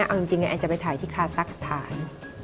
เอาจริงแอนจะไปถ่ายที่คาซักสถาน